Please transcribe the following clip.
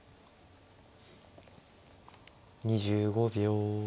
２５秒。